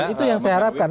itu yang saya harapkan